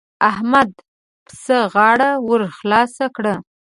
احمد پسه غاړه ور خلاصه کړه.